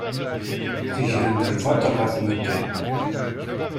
Tegrem-d lbaṭel ɣef medden.